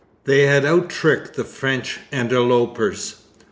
They had out tricked the French interlopers.